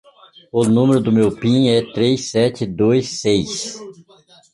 O número do meu pin é três, sete, dois, seis.